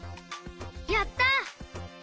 やった！